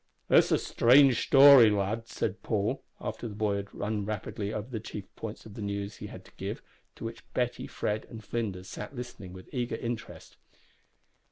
"It's a strange story, lad," said Paul, after the boy had run rapidly over the chief points of the news he had to give, to which Betty, Fred, and Flinders sat listening with eager interest.